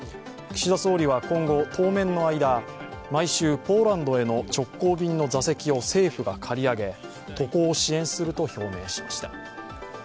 岸田総理は今後、当面の間、毎週、ポーランドへの直行便の座席を政府が買い上げ渡航を支援すると表明しました。